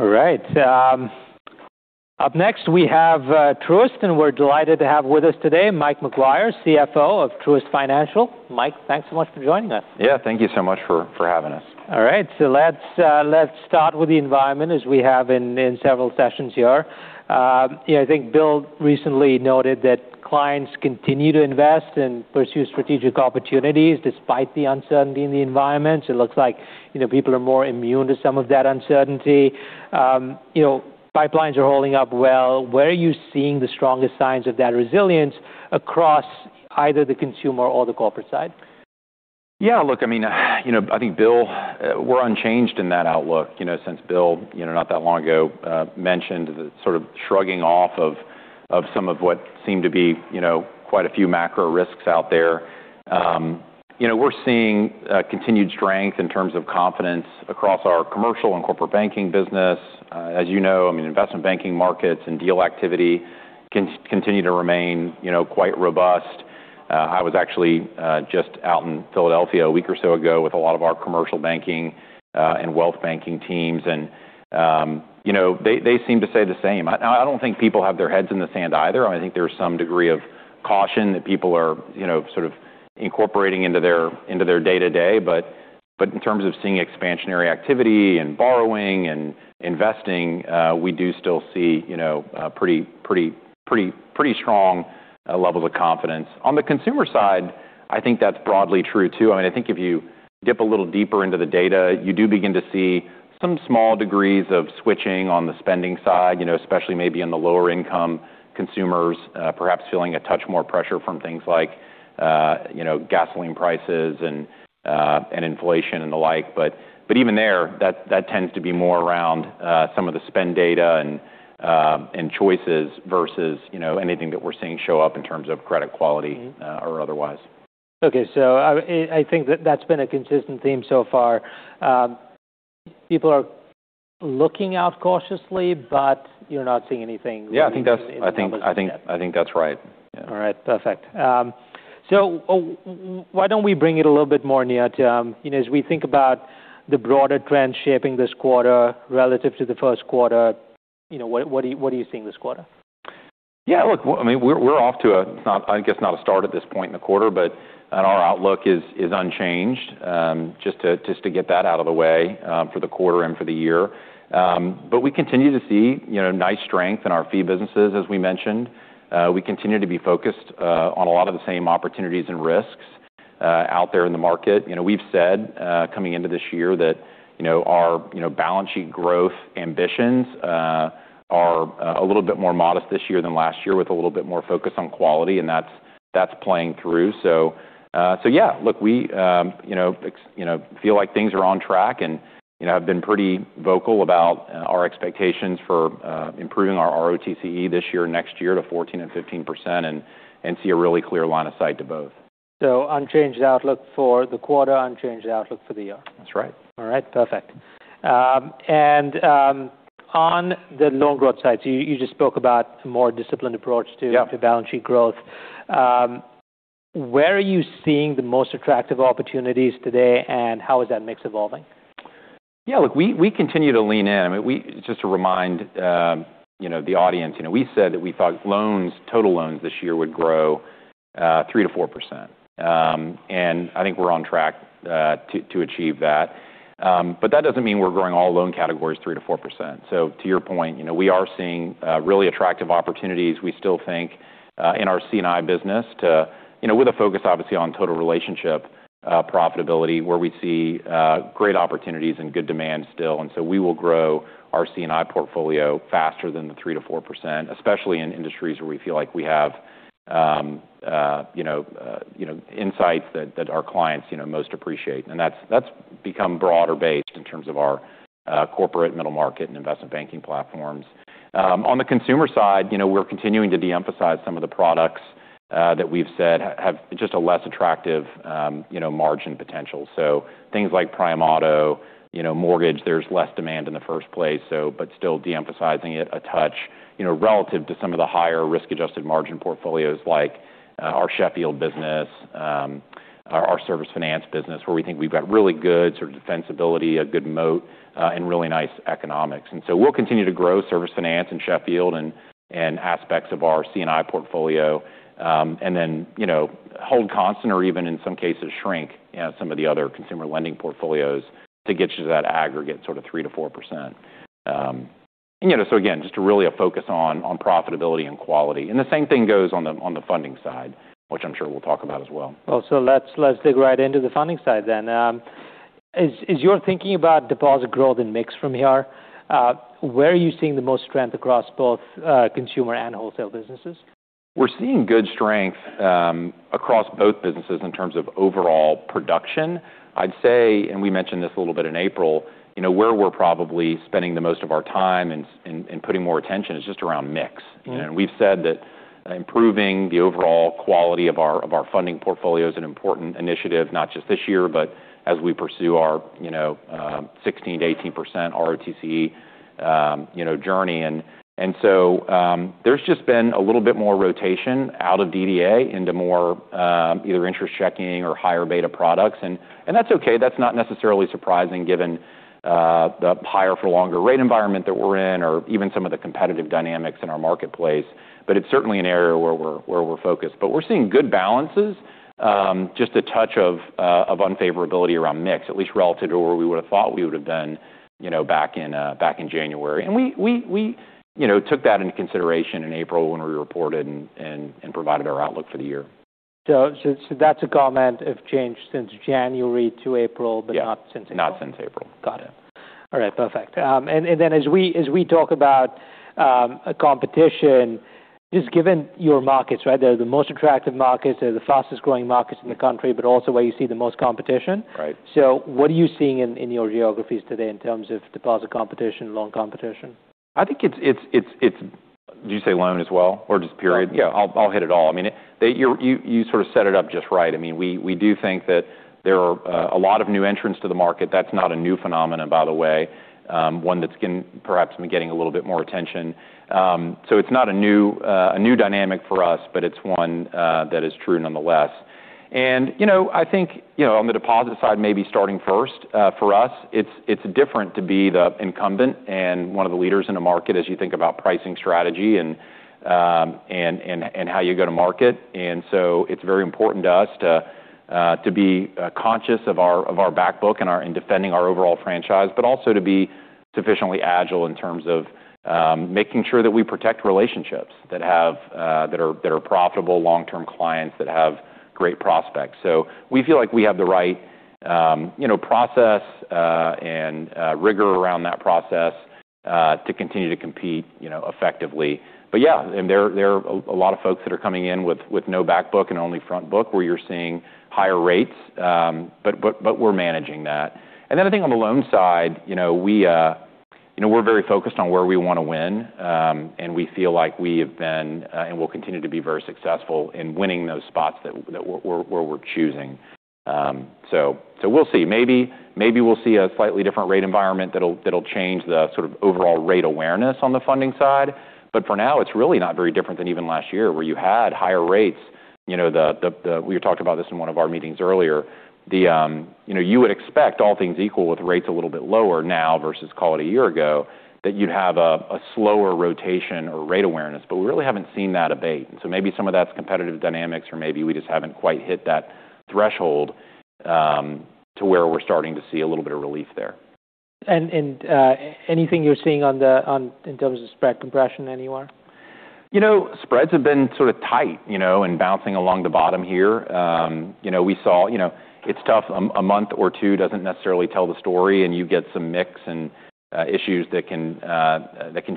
All right. Up next, we have Truist, and we're delighted to have with us today Mike Maguire, CFO of Truist Financial. Mike, thanks so much for joining us. Yeah. Thank you so much for having us. All right. Let's start with the environment as we have in several sessions here. I think Bill recently noted that clients continue to invest and pursue strategic opportunities despite the uncertainty in the environment. It looks like people are more immune to some of that uncertainty. Pipelines are holding up well. Where are you seeing the strongest signs of that resilience across either the consumer or the corporate side? Yeah, look, I think Bill, we're unchanged in that outlook since Bill, not that long ago, mentioned the sort of shrugging off of some of what seemed to be quite a few macro risks out there. We're seeing continued strength in terms of confidence across our commercial and corporate banking business. As you know, investment banking markets and deal activity continue to remain quite robust. I was actually just out in Philadelphia a week or so ago with a lot of our commercial banking and wealth banking teams, and they seem to say the same. I don't think people have their heads in the sand either. I think there's some degree of caution that people are sort of incorporating into their day-to-day. In terms of seeing expansionary activity and borrowing and investing, we do still see pretty strong levels of confidence. On the consumer side, I think that's broadly true too. I think if you dip a little deeper into the data, you do begin to see some small degrees of switching on the spending side, especially maybe in the lower-income consumers perhaps feeling a touch more pressure from things like gasoline prices and inflation and the like. Even there, that tends to be more around some of the spend data and choices versus anything that we're seeing show up in terms of credit quality or otherwise. Okay. I think that that's been a consistent theme so far. People are looking out cautiously, but you're not seeing anything. Yeah, I think that's right. Yeah. All right. Perfect. Why don't we bring it a little bit more near to as we think about the broader trends shaping this quarter relative to the Q1, what are you seeing this quarter? Yeah. Look, we're off to I guess not a start at this point in the quarter, our outlook is unchanged, just to get that out of the way, for the quarter and for the year. We continue to see nice strength in our fee businesses, as we mentioned. We continue to be focused on a lot of the same opportunities and risks out there in the market. We've said, coming into this year that our balance sheet growth ambitions are a little bit more modest this year than last year, with a little bit more focus on quality, and that's playing through. Yeah, look, we feel like things are on track, and I've been pretty vocal about our expectations for improving our ROTCE this year, next year to 14% and 15%, and see a really clear line of sight to both. Unchanged outlook for the quarter, unchanged outlook for the year. That's right. All right. Perfect. On the loan growth side, you just spoke about a more disciplined approach on balance sheet growth. Where are you seeing the most attractive opportunities today, and how is that mix evolving? Yeah, look, we continue to lean in. Just to remind the audience, we said that we thought total loans this year would grow 3%-4%. I think we're on track to achieve that. That doesn't mean we're growing all loan categories 3%-4%. To your point, we are seeing really attractive opportunities we still think in our C&I business with a focus obviously on total relationship profitability, where we see great opportunities and good demand still. We will grow our C&I portfolio faster than the 3%-4%, especially in industries where we feel like we have insights that our clients most appreciate. That's become broader based in terms of our corporate middle market and investment banking platforms. On the consumer side, we're continuing to de-emphasize some of the products that we've said have just a less attractive margin potential. Things like prime auto, mortgage, there's less demand in the first place, but still de-emphasizing it a touch relative to some of the higher risk-adjusted margin portfolios like our Sheffield business, our Service Finance business, where we think we've got really good sort of defensibility, a good moat, and really nice economics. We'll continue to grow Service Finance in Sheffield and aspects of our C&I portfolio. Then hold constant or even in some cases shrink some of the other consumer lending portfolios to get to that aggregate sort of 3%-4%. Again, just really a focus on profitability and quality. The same thing goes on the funding side, which I'm sure we'll talk about as well. Let's dig right into the funding side then. Is your thinking about deposit growth and mix from here? Where are you seeing the most strength across both consumer and wholesale businesses? We're seeing good strength across both businesses in terms of overall production. I'd say, and we mentioned this a little bit in April, where we're probably spending the most of our time and putting more attention is just around mix. We've said that improving the overall quality of our funding portfolio is an important initiative, not just this year, but as we pursue our 16%-18% ROTCE journey. There's just been a little bit more rotation out of DDA into more either interest checking or higher beta products, and that's okay. That's not necessarily surprising given the higher for longer rate environment that we're in, or even some of the competitive dynamics in our marketplace. It's certainly an area where we're focused. We're seeing good balances, just a touch of unfavorability around mix, at least relative to where we would've thought we would've been back in January. We took that into consideration in April when we reported and provided our outlook for the year. That's a comment of change since January to April, but not since April. Yeah. Not since April. Got it. All right, perfect. As we talk about competition, just given your markets, they're the most attractive markets, they're the fastest-growing markets in the country, but also where you see the most competition. Right. What are you seeing in your geographies today in terms of deposit competition, loan competition? Did you say loan as well, or just period? Yeah. I'll hit it all. You sort of set it up just right. We do think that there are a lot of new entrants to the market. That's not a new phenomenon, by the way, one that's perhaps been getting a little bit more attention. It's not a new dynamic for us, but it's one that is true nonetheless. I think on the deposit side, maybe starting first for us, it's different to be the incumbent and one of the leaders in the market as you think about pricing strategy and how you go to market. It's very important to us to be conscious of our back book and defending our overall franchise, but also to be sufficiently agile in terms of making sure that we protect relationships that are profitable long-term clients that have great prospects. We feel like we have the right process and rigor around that process to continue to compete effectively. There are a lot of folks that are coming in with no back book and only front book where you're seeing higher rates. We're managing that. I think on the loan side, we're very focused on where we want to win. We feel like we have been, and will continue to be very successful in winning those spots where we're choosing. We'll see. Maybe we'll see a slightly different rate environment that'll change the sort of overall rate awareness on the funding side. For now, it's really not very different than even last year where you had higher rates. We talked about this in one of our meetings earlier. You would expect all things equal with rates a little bit lower now versus call it a year ago, that you'd have a slower rotation or rate awareness. We really haven't seen that abate. Maybe some of that's competitive dynamics or maybe we just haven't quite hit that threshold to where we're starting to see a little bit of relief there. Anything you're seeing in terms of spread compression anywhere? Spreads have been sort of tight and bouncing along the bottom here. It's tough. A month or two doesn't necessarily tell the story, and you get some mix and issues that can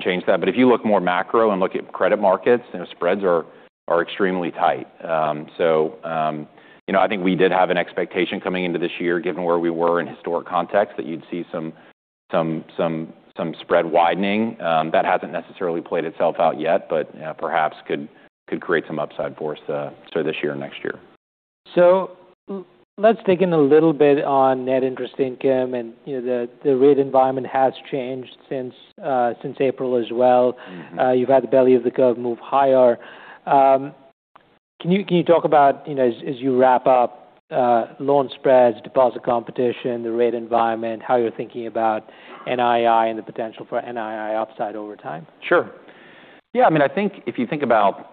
change that. If you look more macro and look at credit markets, spreads are extremely tight. I think we did have an expectation coming into this year, given where we were in historic context, that you'd see some spread widening. That hasn't necessarily played itself out yet, but perhaps could create some upside for us this year or next year. Let's dig in a little bit on net interest income and the rate environment has changed since April as well. You've had the belly of the curve move higher. Can you talk about, as you wrap up loan spreads, deposit competition, the rate environment, how you're thinking about NII and the potential for NII upside over time? Sure. If you think about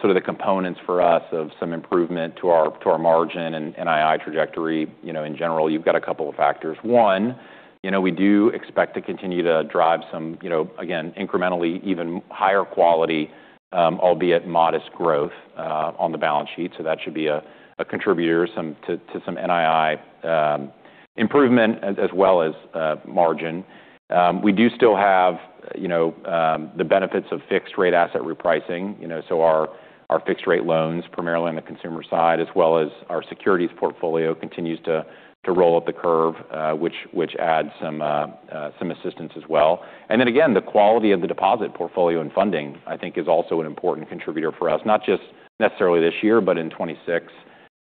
sort of the components for us of some improvement to our margin and NII trajectory, in general, you've got a couple of factors. One, we do expect to continue to drive some, again, incrementally even higher quality, albeit modest growth on the balance sheet. That should be a contributor to some NII improvement as well as margin. We do still have the benefits of fixed rate asset repricing. Our fixed rate loans, primarily on the consumer side, as well as our securities portfolio continues to roll up the curve, which adds some assistance as well. Then again, the quality of the deposit portfolio and funding, I think is also an important contributor for us. Not just necessarily this year, but in 2026,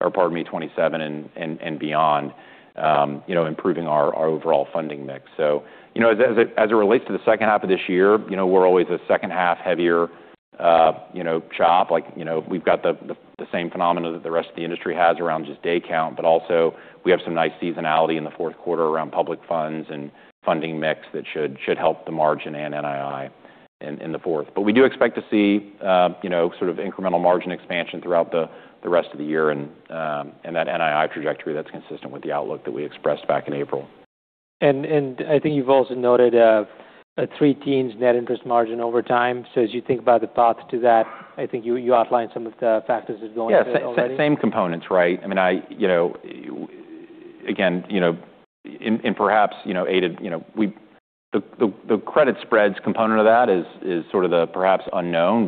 or pardon me, 2027 and beyond improving our overall funding mix. As it relates to the second half of this year, we're always a second half heavier shop. We've got the same phenomena that the rest of the industry has around just day count. Also we have some nice seasonality in the Q4 around public funds and funding mix that should help the margin and NII in the fourth. We do expect to see sort of incremental margin expansion throughout the rest of the year. That NII trajectory, that's consistent with the outlook that we expressed back in April. I think you've also noted a three-teens net interest margin over time. As you think about the path to that, I think you outlined some of the factors that's going through already. Yeah. Same components, right? Perhaps aided the credit spreads component of that is sort of the perhaps unknown,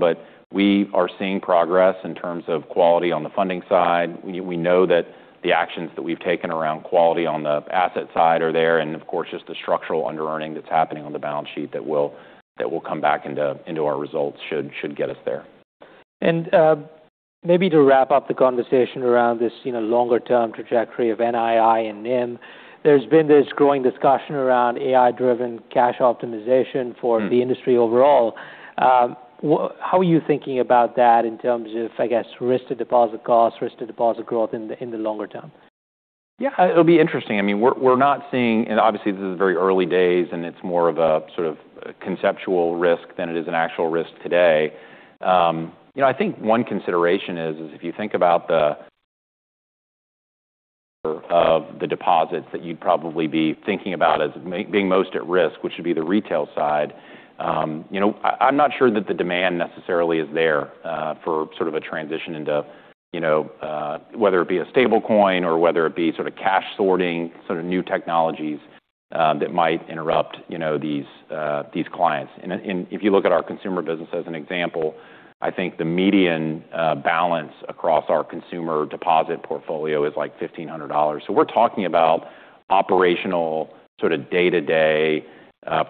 we are seeing progress in terms of quality on the funding side. We know that the actions that we've taken around quality on the asset side are there, of course, just the structural underearning that's happening on the balance sheet that will come back into our results should get us there. Maybe to wrap up the conversation around this longer-term trajectory of NII and NIM, there's been this growing discussion around AI-driven cash optimization for the industry overall. How are you thinking about that in terms of, I guess, risk to deposit cost, risk to deposit growth in the longer term? Yeah, it'll be interesting. Obviously, this is very early days, it's more of a sort of conceptual risk than it is an actual risk today. I think one consideration is if you think about the deposits that you'd probably be thinking about as being most at risk, which would be the retail side. I'm not sure that the demand necessarily is there for sort of a transition into whether it be a stable coin or whether it be sort of cash sorting, sort of new technologies that might interrupt these clients. If you look at our consumer business as an example, I think the median balance across our consumer deposit portfolio is like $1,500. We're talking about operational sort of day-to-day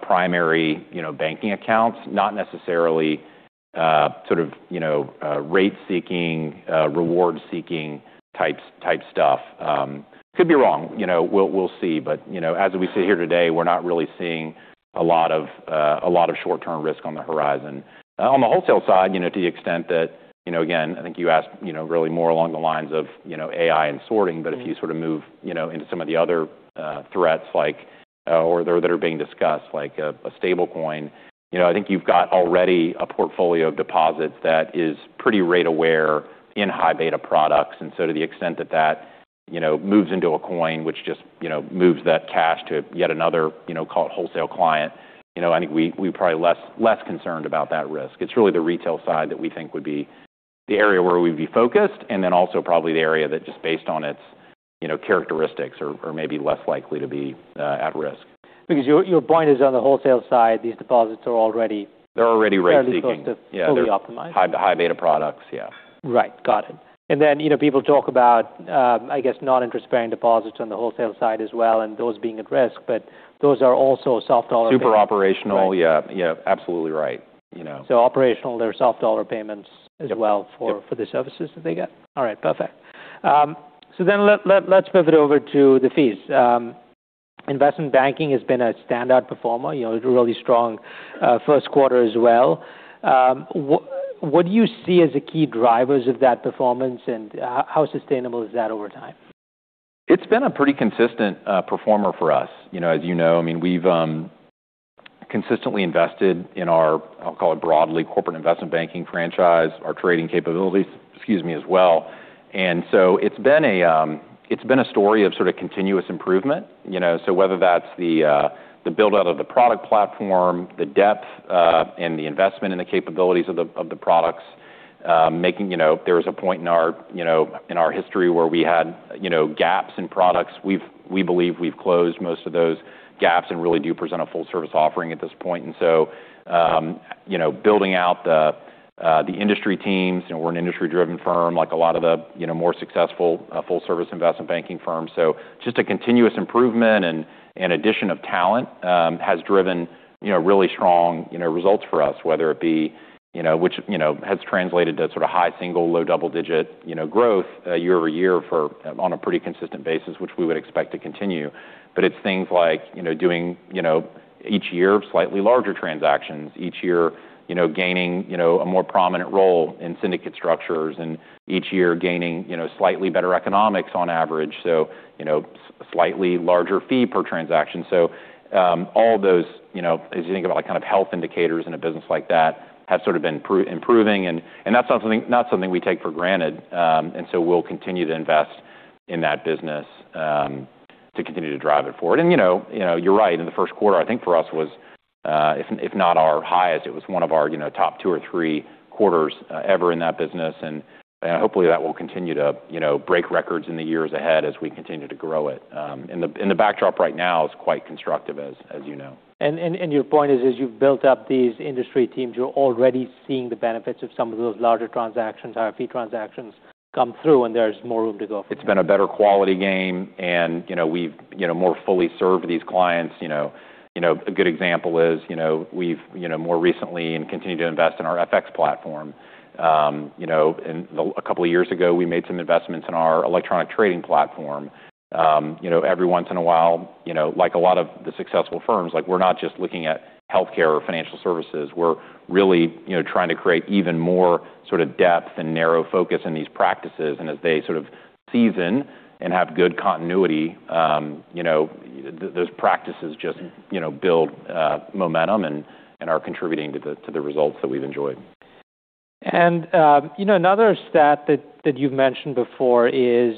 primary banking accounts, not necessarily sort of rate-seeking, reward-seeking type stuff. Could be wrong. We'll see. As we sit here today, we're not really seeing a lot of short-term risk on the horizon. On the wholesale side, to the extent that, again, I think you asked really more along the lines of AI and sorting. If you sort of move into some of the other threats that are being discussed, like a stable coin, I think you've got already a portfolio of deposits that is pretty rate aware in high beta products. To the extent that moves into a coin, which just moves that cash to yet another wholesale client, I think we're probably less concerned about that risk. It's really the retail side that we think would be the area where we'd be focused and then also probably the area that just based on its characteristics or maybe less likely to be at risk. Your point is, on the wholesale side, these deposits are already- They're already rate seeking fairly close to fully optimized. High beta products. Yeah. Right. Got it. Then people talk about, I guess, non-interest-bearing deposits on the wholesale side as well, and those being at risk, but those are also soft dollar. Super operational. Yeah. Absolutely right. Operational, they're soft dollar payments as well for the services that they get. All right. Perfect. Let's pivot over to the fees. Investment banking has been a standout performer, a really strong Q1 as well. What do you see as the key drivers of that performance, and how sustainable is that over time? It's been a pretty consistent performer for us, as you know. We've consistently invested in our, I'll call it broadly corporate investment banking franchise, our trading capabilities, excuse me, as well. It's been a story of sort of continuous improvement. Whether that's the build-out of the product platform, the depth and the investment in the capabilities of the products. There was a point in our history where we had gaps in products. We believe we've closed most of those gaps and really do present a full service offering at this point. Building out the industry teams. We're an industry-driven firm, like a lot of the more successful full service investment banking firms. Just a continuous improvement and addition of talent has driven really strong results for us, which has translated to sort of high single, low double-digit growth year-over-year on a pretty consistent basis, which we would expect to continue. It's things like doing each year slightly larger transactions, each year gaining a more prominent role in syndicate structures, and each year gaining slightly better economics on average. Slightly larger fee per transaction. All those, as you think about kind of health indicators in a business like that, have sort of been improving and that's not something we take for granted. We'll continue to invest in that business to continue to drive it forward. You're right. In the Q1, I think for us was if not our highest, it was one of our top two or three quarters ever in that business. Hopefully that will continue to break records in the years ahead as we continue to grow it. The backdrop right now is quite constructive as you know. Your point is you've built up these industry teams. You're already seeing the benefits of some of those larger transactions, higher fee transactions come through, and there's more room to go. It's been a better quality game, and we've more fully served these clients. A good example is we've more recently and continue to invest in our FX platform. A couple of years ago, we made some investments in our electronic trading platform. Every once in a while, like a lot of the successful firms, we're not just looking at healthcare or financial services. We're really trying to create even more sort of depth and narrow focus in these practices. As they sort of season and have good continuity, those practices just build momentum and are contributing to the results that we've enjoyed. Another stat that you've mentioned before is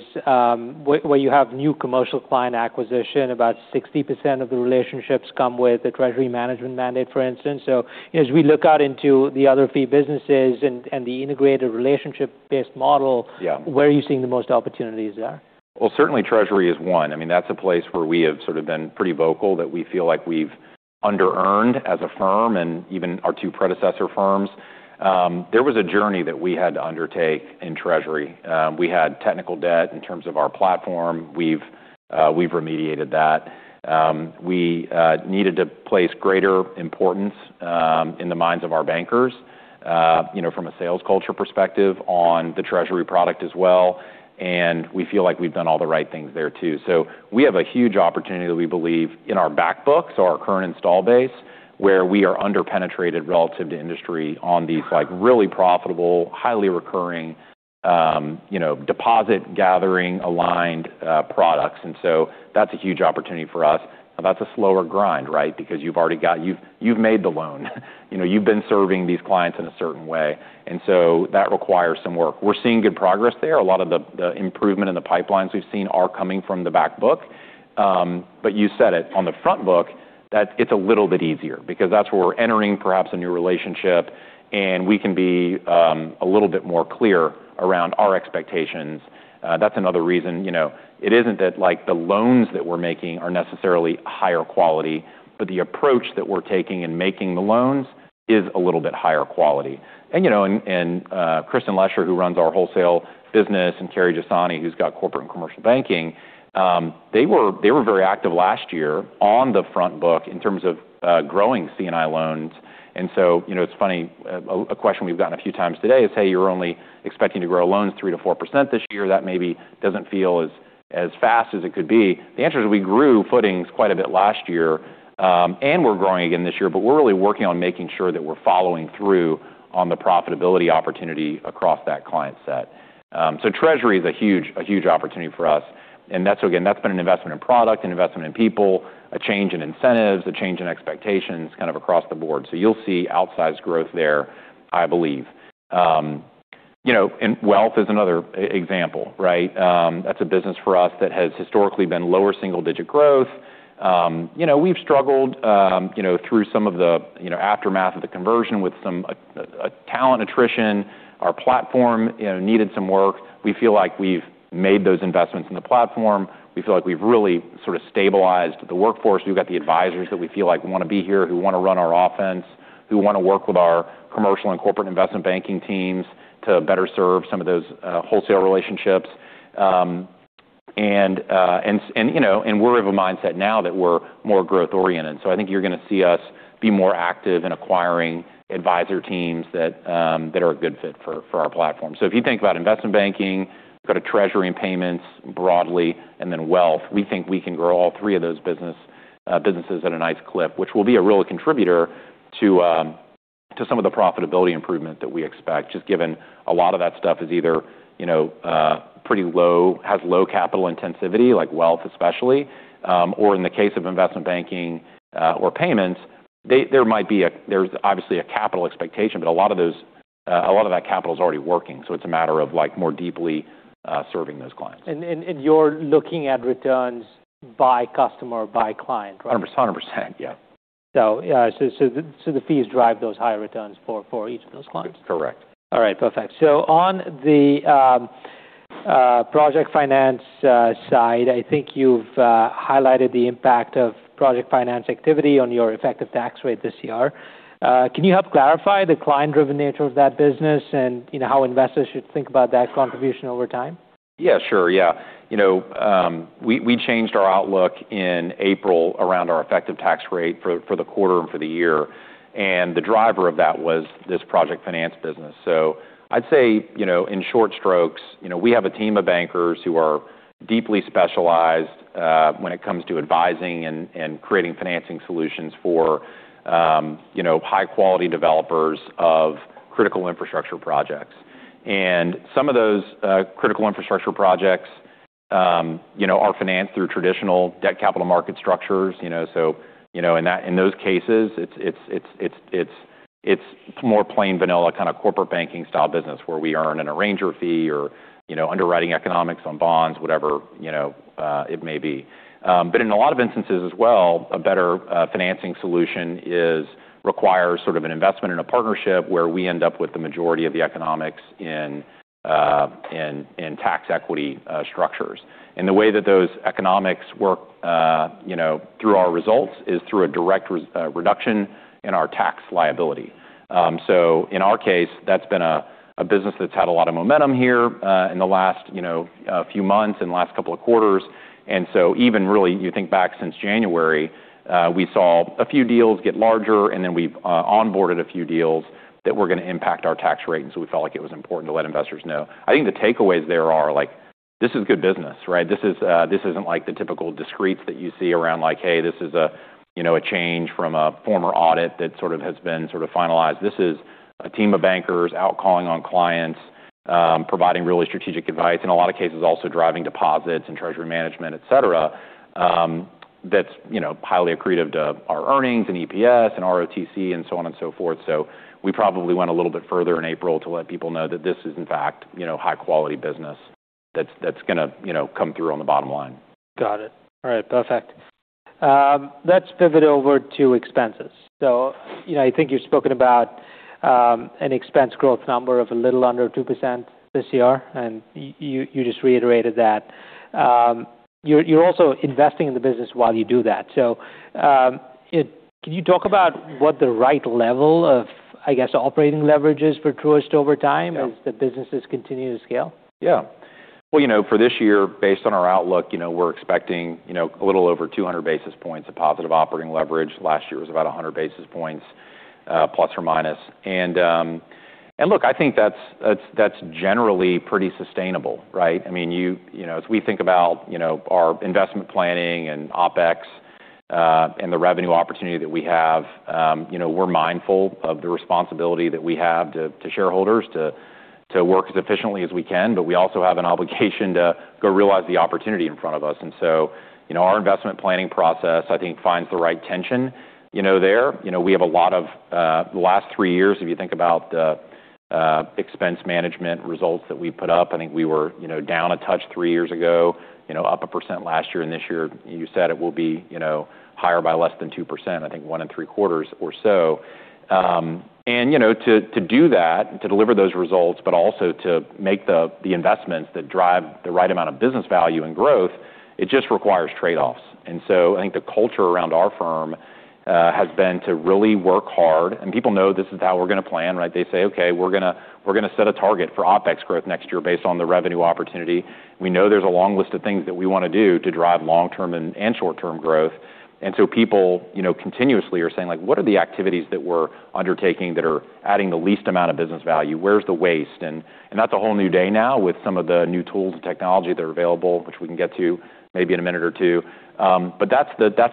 where you have new commercial client acquisition. About 60% of the relationships come with a treasury management mandate, for instance. As we look out into the other fee businesses and the integrated relationship-based model. Yeah Where are you seeing the most opportunities there? Certainly Treasury is one. That's a place where we have sort of been pretty vocal that we feel like we've under-earned as a firm and even our two predecessor firms. There was a journey that we had to undertake in Treasury. We had technical debt in terms of our platform. We've remediated that. We needed to place greater importance in the minds of our bankers from a sales culture perspective on the Treasury product as well. We feel like we've done all the right things there too. We have a huge opportunity that we believe in our back books, our current install base, where we are under-penetrated relative to industry on these really profitable, highly recurring deposit gathering aligned products. That's a huge opportunity for us. That's a slower grind, right? Because you've made the loan. You've been serving these clients in a certain way, that requires some work. We're seeing good progress there. A lot of the improvement in the pipelines we've seen are coming from the back book. You said it. On the front book, it's a little bit easier because that's where we're entering perhaps a new relationship, and we can be a little bit more clear around our expectations. That's another reason. It isn't that the loans that we're making are necessarily higher quality, but the approach that we're taking in making the loans is a little bit higher quality. Kristin Lesher, who runs our wholesale business, and Kerry Jessani, who's got corporate and commercial banking, they were very active last year on the front book in terms of growing C&I loans. It's funny, a question we've gotten a few times today is, "Hey, you're only expecting to grow loans 3% to 4% this year. That maybe doesn't feel as fast as it could be." The answer is we grew footings quite a bit last year, and we're growing again this year, but we're really working on making sure that we're following through on the profitability opportunity across that client set. Treasury is a huge opportunity for us, and that's again, that's been an investment in product, an investment in people, a change in incentives, a change in expectations kind of across the board. You'll see outsized growth there, I believe. Wealth is another example, right? That's a business for us that has historically been lower single-digit growth. We've struggled through some of the aftermath of the conversion with some talent attrition. Our platform needed some work. We feel like we've made those investments in the platform. We feel like we've really sort of stabilized the workforce. We've got the advisors that we feel like want to be here, who want to run our offense, who want to work with our commercial and corporate investment banking teams to better serve some of those wholesale relationships. We're of a mindset now that we're more growth-oriented. I think you're going to see us be more active in acquiring advisor teams that are a good fit for our platform. If you think about investment banking, go to treasury and payments broadly, wealth, we think we can grow all three of those businesses at a nice clip, which will be a real contributor to some of the profitability improvement that we expect, just given a lot of that stuff is either pretty low, has low capital intensity like wealth especially. In the case of investment banking or payments, there's obviously a capital expectation, but a lot of that capital is already working. It's a matter of more deeply serving those clients. You're looking at returns by customer or by client, right? 100%, yeah. The fees drive those higher returns for each of those clients. Correct. All right, perfect. On the project finance side, I think you've highlighted the impact of project finance activity on your effective tax rate this year. Can you help clarify the client-driven nature of that business and how investors should think about that contribution over time? Yeah, sure. We changed our outlook in April around our effective tax rate for the quarter and for the year. The driver of that was this project finance business. I'd say, in short strokes, we have a team of bankers who are deeply specialized when it comes to advising and creating financing solutions for high-quality developers of critical infrastructure projects. Some of those critical infrastructure projects are financed through traditional debt capital market structures. In those cases, it's more plain vanilla kind of corporate banking style business where we earn an arranger fee or underwriting economics on bonds, whatever it may be. In a lot of instances as well, a better financing solution requires an investment and a partnership where we end up with the majority of the economics in tax equity structures. The way that those economics work through our results is through a direct reduction in our tax liability. In our case, that's been a business that's had a lot of momentum here in the last few months and last couple of quarters. Even really you think back since January, we saw a few deals get larger, and then we've onboarded a few deals that were going to impact our tax rate. We felt like it was important to let investors know. I think the takeaways there are like, this is good business, right? This isn't like the typical discrete items that you see around like, hey, this is a change from a former audit that has been finalized. This is a team of bankers out calling on clients, providing really strategic advice in a lot of cases, also driving deposits and treasury management, et cetera, that's highly accretive to our earnings and EPS and ROTCE and so on and so forth. We probably went a little bit further in April to let people know that this is in fact high-quality business that's going to come through on the bottom line. Got it. All right, perfect. Let's pivot over to expenses. I think you've spoken about an expense growth number of a little under 2% this year, and you just reiterated that. You're also investing in the business while you do that. Can you talk about what the right level of, I guess, operating leverage is for Truist over time as the businesses continue to scale? Well for this year, based on our outlook we're expecting a little over 200 basis points of positive operating leverage. Last year was about 100 basis points plus or minus. Look, I think that's generally pretty sustainable, right? As we think about our investment planning and OpEx and the revenue opportunity that we have, we're mindful of the responsibility that we have to shareholders to work as efficiently as we can. We also have an obligation to go realize the opportunity in front of us. Our investment planning process, I think, finds the right tension there. The last three years, if you think about the expense management results that we put up, I think we were down a touch three years ago, up 1% last year, and this year you said it will be higher by less than 2%, I think 1.75% or so. To do that, to deliver those results, but also to make the investments that drive the right amount of business value and growth, it just requires trade-offs. I think the culture around our firm has been to really work hard, and people know this is how we're going to plan, right? They say, "Okay, we're going to set a target for OpEx growth next year based on the revenue opportunity." We know there's a long list of things that we want to do to drive long-term and short-term growth. People continuously are saying, "What are the activities that we're undertaking that are adding the least amount of business value? Where's the waste?" That's a whole new day now with some of the new tools and technology that are available, which we can get to maybe in a minute or two. That's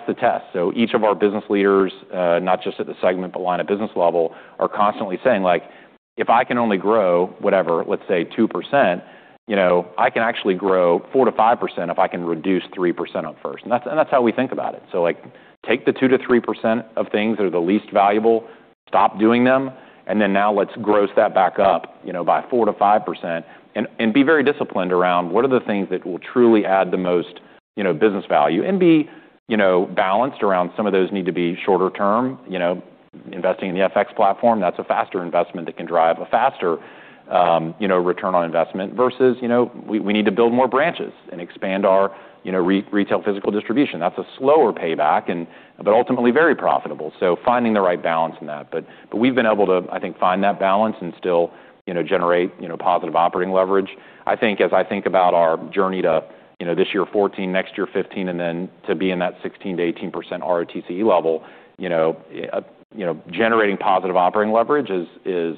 the test. Each of our business leaders, not just at the segment but line of business level, are constantly saying, "If I can only grow, whatever, let's say 2%, I can actually grow 4%-5% if I can reduce 3% up front." That's how we think about it. Take the 2%-3% of things that are the least valuable, stop doing them, and then now let's gross that back up by 4%-5%. Be very disciplined around what are the things that will truly add the most business value, and be balanced around some of those need to be shorter term. Investing in the FX platform, that's a faster investment that can drive a faster return on investment versus we need to build more branches and expand our retail physical distribution. That's a slower payback but ultimately very profitable. Finding the right balance in that. We've been able to find that balance and still generate positive operating leverage. As I think about our journey to this year 14, next year 15, and then to be in that 16%-18% ROTCE level, generating positive operating leverage is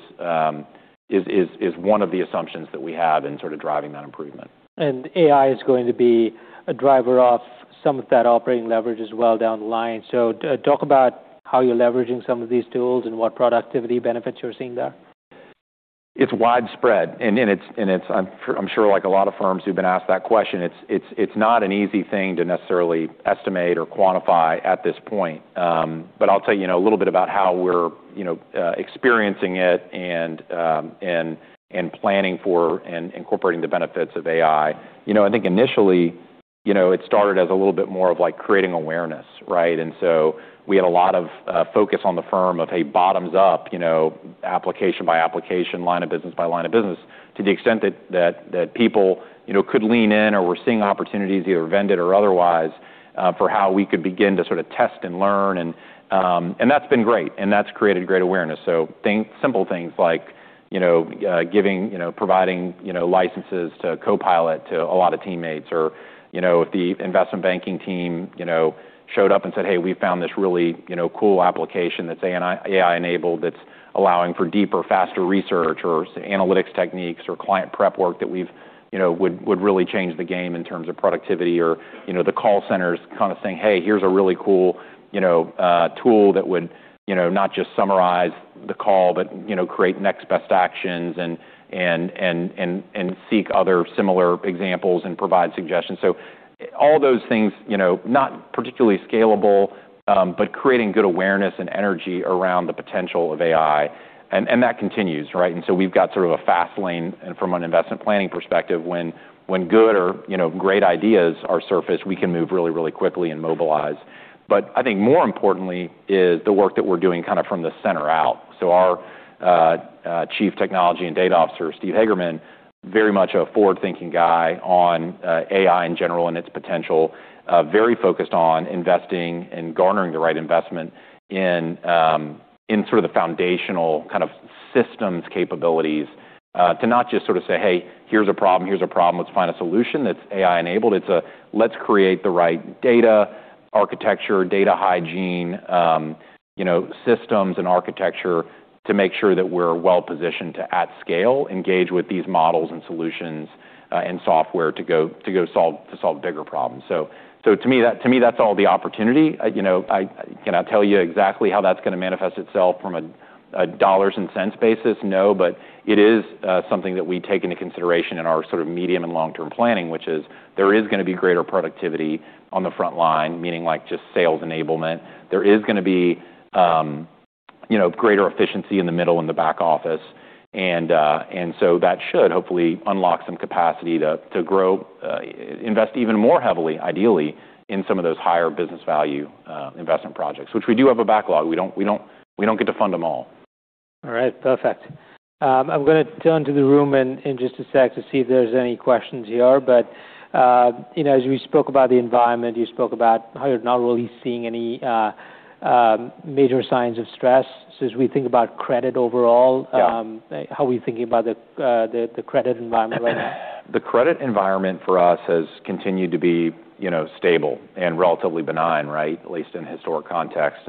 one of the assumptions that we have in sort of driving that improvement. AI is going to be a driver of some of that operating leverage as well down the line. Talk about how you're leveraging some of these tools and what productivity benefits you're seeing there. It's widespread, and I'm sure like a lot of firms who've been asked that question, it's not an easy thing to necessarily estimate or quantify at this point. I'll tell you a little bit about how we're experiencing it and planning for and incorporating the benefits of AI. Initially, it started as a little bit more of creating awareness, right? We had a lot of focus on the firm of, hey, bottoms up, application by application, line of business by line of business, to the extent that people could lean in or were seeing opportunities, either vend it or otherwise, for how we could begin to sort of test and learn, and that's been great, and that's created great awareness. Simple things like providing licenses to Copilot to a lot of teammates, or if the investment banking team showed up and said, "Hey, we found this really cool application that's AI-enabled that's allowing for deeper, faster research or analytics techniques or client prep work that would really change the game in terms of productivity." The call centers kind of saying, "Hey, here's a really cool tool that would not just summarize the call but create next best actions and seek other similar examples and provide suggestions." All those things, not particularly scalable, but creating good awareness and energy around the potential of AI, and that continues, right? We've got sort of a fast lane, and from an investment planning perspective, when good or great ideas are surfaced, we can move really, really quickly and mobilize. I think more importantly is the work that we're doing kind of from the center out. Our chief technology and data officer, Steve Hagerman, very much a forward-thinking guy on AI in general and its potential, very focused on investing and garnering the right investment in sort of the foundational kind of systems capabilities. To not just sort of say, "Hey, here's a problem, here's a problem. Let's find a solution that's AI-enabled." It's a let's create the right data architecture, data hygiene systems and architecture to make sure that we're well-positioned to, at scale, engage with these models and solutions and software to go solve bigger problems. To me, that's all the opportunity. Can I tell you exactly how that's going to manifest itself from a dollars and cents basis? No. It is something that we take into consideration in our sort of medium and long-term planning, which is there is going to be greater productivity on the front line, meaning just sales enablement. There is going to be greater efficiency in the middle and the back office. That should hopefully unlock some capacity to grow, invest even more heavily, ideally, in some of those higher business value investment projects, which we do have a backlog. We don't get to fund them all. All right. Perfect. I'm going to turn to the room in just a sec to see if there's any questions here. As we spoke about the environment, you spoke about how you're not really seeing any major signs of stress. As we think about credit overall, how are we thinking about the credit environment right now? The credit environment for us has continued to be stable and relatively benign, right? At least in historic context.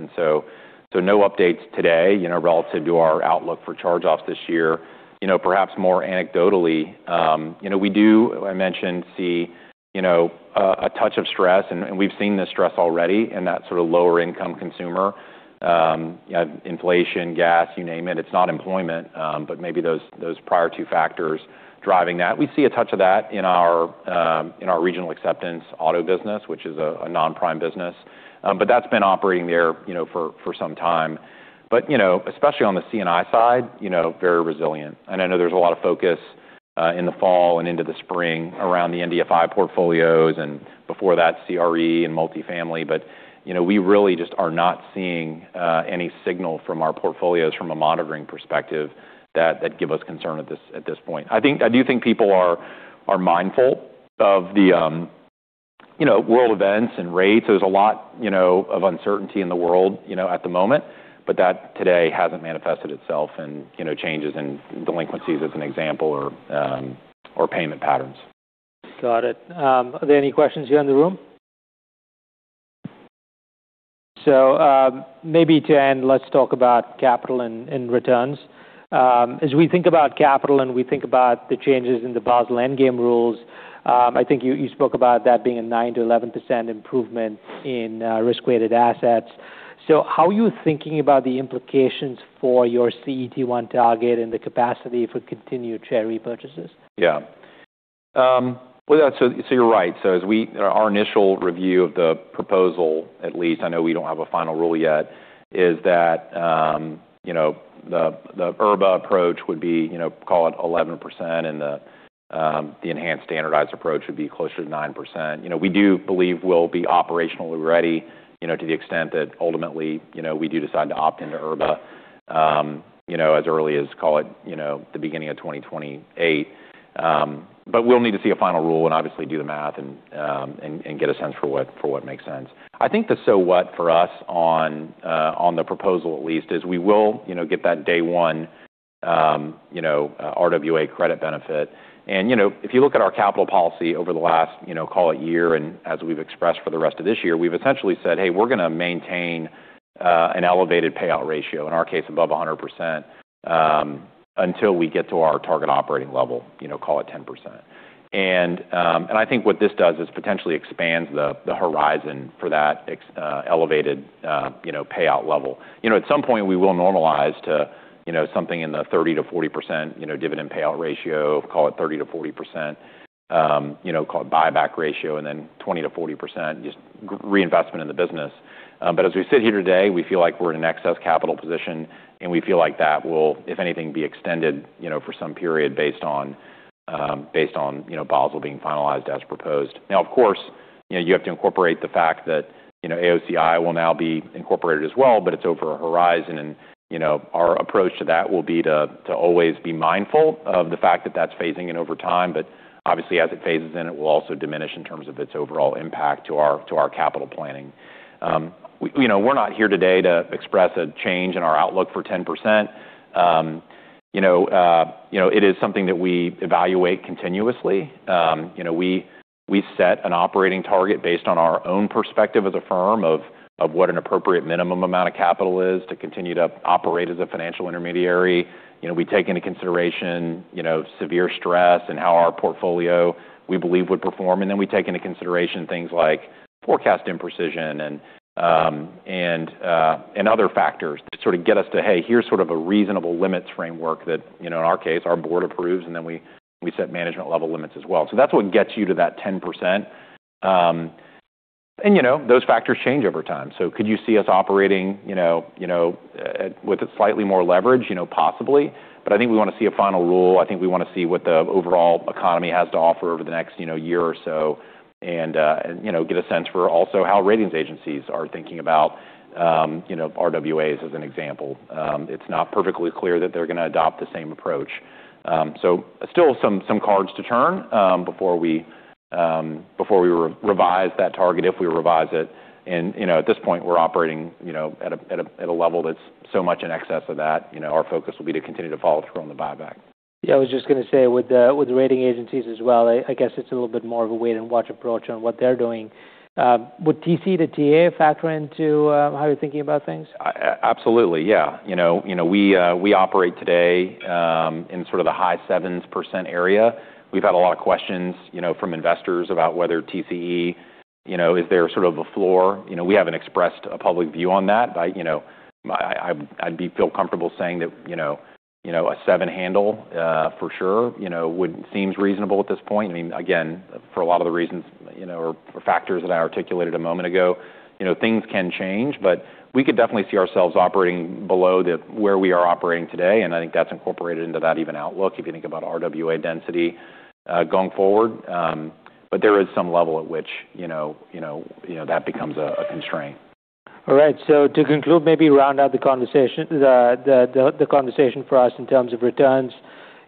No updates today relative to our outlook for charge-offs this year. Perhaps more anecdotally, we do, I mentioned, see a touch of stress, and we've seen this stress already in that sort of lower income consumer. You have inflation, gas, you name it. It's not employment, but maybe those prior two factors driving that. We see a touch of that in our Regional Acceptance auto business, which is a non-prime business. That's been operating there for some time. Especially on the C&I side, very resilient. I know there's a lot of focus in the fall and into the spring around the MDFI portfolios and before that CRE and multifamily. We really just are not seeing any signal from our portfolios from a monitoring perspective that give us concern at this point. I do think people are mindful of the world events and rates. There's a lot of uncertainty in the world at the moment, that today hasn't manifested itself in changes in delinquencies as an example or payment patterns. Got it. Are there any questions here in the room? Maybe to end, let's talk about capital and returns. As we think about capital and we think about the changes in the Basel III Endgame rules, I think you spoke about that being a 9%-11% improvement in risk-weighted assets. How are you thinking about the implications for your CET1 target and the capacity for continued share repurchases? You're right. As our initial review of the proposal, at least I know we don't have a final rule yet, is that the IRBA approach would be call it 11% and the enhanced standardized approach would be closer to 9%. We do believe we'll be operationally ready to the extent that ultimately we do decide to opt into IRBA as early as call it the beginning of 2028. We'll need to see a final rule and obviously do the math and get a sense for what makes sense. I think the so what for us on the proposal at least is we will get that day one RWA credit benefit. If you look at our capital policy over the last call it year, as we've expressed for the rest of this year, we've essentially said, "Hey, we're going to maintain an elevated payout ratio," in our case above 100%, until we get to our target operating level, call it 10%. I think what this does is potentially expands the horizon for that elevated payout level. At some point, we will normalize to something in the 30%-40% dividend payout ratio, call it 30%-40%, call it buyback ratio, then 20%-40%, just reinvestment in the business. As we sit here today, we feel like we're in an excess capital position, and we feel like that will, if anything, be extended for some period based on Basel IV being finalized as proposed. Of course, you have to incorporate the fact that AOCI will now be incorporated as well, it's over a horizon. Our approach to that will be to always be mindful of the fact that that's phasing in over time. Obviously as it phases in, it will also diminish in terms of its overall impact to our capital planning. We're not here today to express a change in our outlook for 10%. It is something that we evaluate continuously. We set an operating target based on our own perspective as a firm of what an appropriate minimum amount of capital is to continue to operate as a financial intermediary. We take into consideration severe stress and how our portfolio we believe would perform, then we take into consideration things like forecast imprecision and other factors to sort of get us to, hey, here's sort of a reasonable limits framework that, in our case, our board approves, then we set management level limits as well. That's what gets you to that 10%. Those factors change over time. Could you see us operating with a slightly more leverage? Possibly. I think we want to see a final rule. I think we want to see what the overall economy has to offer over the next year or so, and get a sense for also how ratings agencies are thinking about RWAs as an example. It's not perfectly clear that they're going to adopt the same approach. Still some cards to turn before we revise that target, if we revise it. At this point, we're operating at a level that's so much in excess of that. Our focus will be to continue to follow through on the buyback. Yeah, I was just going to say with the rating agencies as well, I guess it's a little bit more of a wait-and-watch approach on what they're doing. Would TCE to TA factor into how you're thinking about things? Absolutely, yeah. We operate today in sort of the high 7% area. We've had a lot of questions from investors about whether TCE is there sort of a floor. We haven't expressed a public view on that. I'd feel comfortable saying that a seven handle for sure seems reasonable at this point. Again, for a lot of the reasons or factors that I articulated a moment ago, things can change, but we could definitely see ourselves operating below where we are operating today. I think that's incorporated into that even outlook if you think about RWA density going forward. There is some level at which that becomes a constraint. All right. To conclude, maybe round out the conversation for us in terms of returns.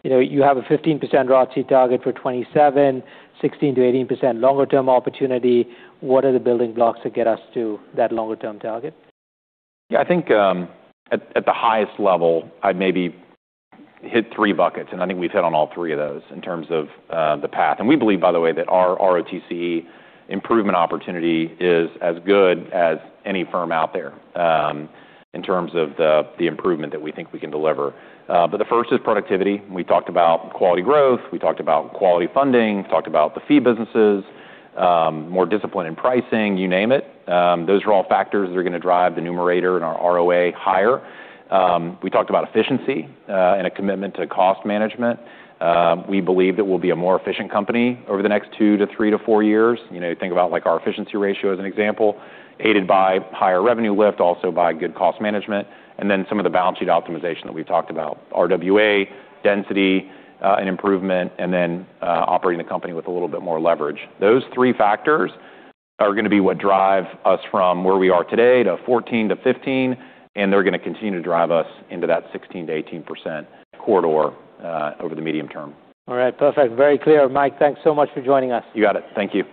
You have a 15% ROTCE target for 2027, 16%-18% longer term opportunity. What are the building blocks that get us to that longer term target? Yeah, I think at the highest level, I'd maybe hit three buckets. I think we've hit on all three of those in terms of the path. We believe, by the way, that our ROTCE improvement opportunity is as good as any firm out there in terms of the improvement that we think we can deliver. The first is productivity. We talked about quality growth, we talked about quality funding, talked about the fee businesses, more discipline in pricing, you name it. Those are all factors that are going to drive the numerator and our ROA higher. We talked about efficiency and a commitment to cost management. We believe that we'll be a more efficient company over the next two to three to four years. Think about our efficiency ratio as an example, aided by higher revenue lift, also by good cost management, and then some of the balance sheet optimization that we've talked about. RWA density and improvement, and then operating the company with a little bit more leverage. Those three factors are going to be what drive us from where we are today to 14-15, and they're going to continue to drive us into that 16%-18% corridor over the medium term. All right, perfect. Very clear. Mike, thanks so much for joining us. You got it. Thank you.